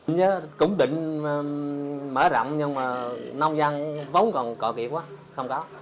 nhớ cũng định mở rộng nhưng mà nông dân vốn còn cọ kiệt quá không có